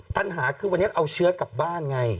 ปัญหาคือวันนี้เอาเชื้อกลับบ้านไง